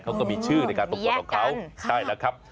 เขาก็มีชื่อในการปรวกฏเกี่ยวกันใช่แล้วครับ